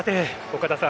岡田さん